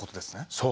そう。